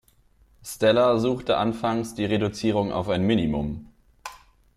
Stella suchte anfangs die Reduzierung auf ein Minimum.